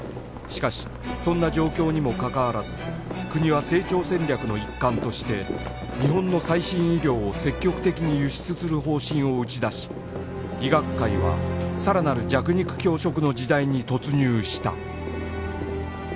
しかしそんな状況にもかかわらず国は成長戦略の一環として日本の最新医療を積極的に輸出する方針を打ち出し医学界はさらなる弱肉強食の時代に突入した